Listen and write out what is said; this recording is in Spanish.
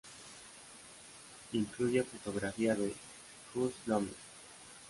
Incluye fotografía de Just Loomis.